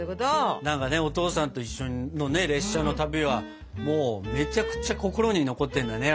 お父さんと一緒の列車の旅はもうめちゃくちゃ心に残ってるんだね。